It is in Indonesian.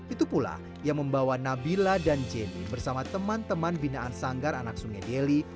itu pula yang membawa nabila dan jemmy bersama teman teman binaan sanggar anak sungai deli